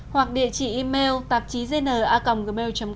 hoặc địa chỉ email tạp chí dn gmail com